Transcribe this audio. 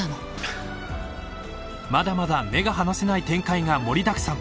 ［まだまだ目が離せない展開が盛りだくさん！］